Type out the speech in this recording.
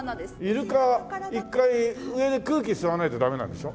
イルカは１回上で空気吸わないとダメなんでしょ？